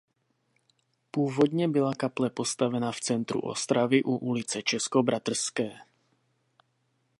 Původně byla kaple postavena v centru Ostravy u ulice Českobratrské.